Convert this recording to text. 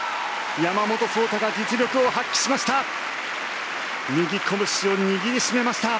山本草太が実力を発揮しました。